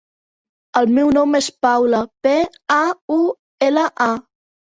El meu nom és Paula: pe, a, u, ela, a.